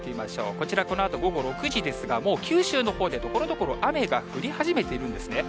こちらこのあと午後６時ですが、もう九州のほうでところどころ、雨が降り始めているんですね。